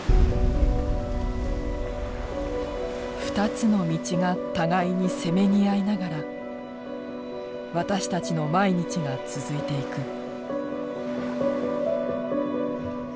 ふたつの道が互いにせめぎ合いながら私たちの毎日が続いていく。